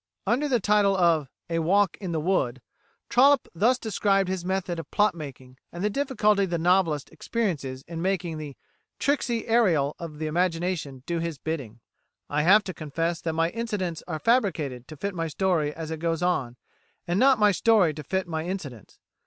"[124:A] Under the title of "A Walk in the Wood," Trollope thus describes his method of plot making, and the difficulty the novelist experiences in making the "tricksy Ariel" of the imagination do his bidding. "I have to confess that my incidents are fabricated to fit my story as it goes on, and not my story to fit my incidents.